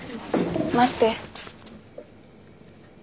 待って。